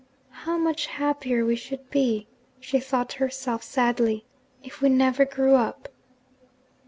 'How much happier we should be,' she thought to herself sadly, 'if we never grew up!'